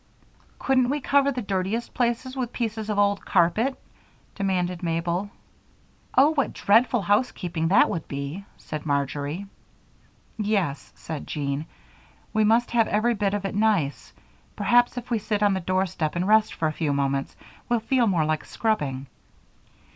"Couldn't we cover the dirtiest places with pieces of old carpet?" demanded Mabel. "Oh, what dreadful housekeeping that would be!" said Marjory. "Yes," said Jean, "we must have every bit of it nice. Perhaps if we sit on the doorstep and rest for a few moments we'll feel more like scrubbing."